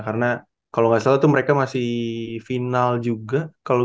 karena kalo ga salah tuh mereka masih final juga